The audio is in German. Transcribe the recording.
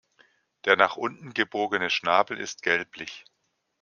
Der nach unten gebogene Schnabel ist gelblich.